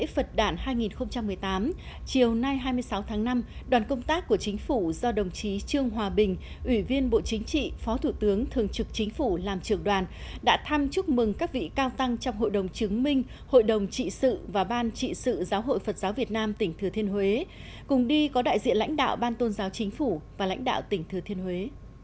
phó thủ tướng trương hòa bình ủy viên bộ chính trị phó thủ tướng thường trực chính phủ làm trường đoàn đã thăm chúc mừng các vị cao tăng trong hội đồng chứng minh hội đồng trị sự và ban trị sự giáo hội phật giáo việt nam tỉnh thừa thiên huế cùng đi có đại diện lãnh đạo ban tôn giáo chính phủ và lãnh đạo tỉnh thừa thiên huế